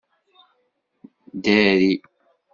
Dari.